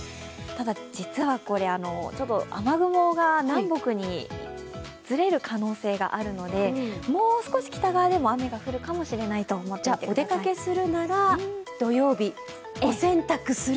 ただ、実はこれ、雨雲が南北にずれる可能性があるので、もう少し北側でも雨が降るかもしれないと思っていてください。